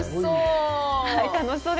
楽しそう。